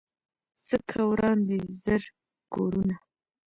څه که وران دي زر کورونه